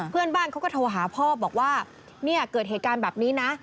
เพื่อนบ้านเขาก็โทรหาพ่อบอกว่าเนี่ยเกิดเหตุการณ์แบบนี้นะ